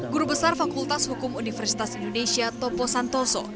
guru besar fakultas hukum universitas indonesia topo santoso